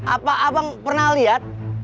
apa abang pernah liat